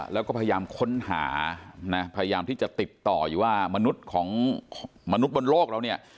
แล้วก็พยายามค้นหานะพยายามที่จะติดต่ออยู่ว่ามนุษย์ของมนุษย์บนโลกเราเนี่ย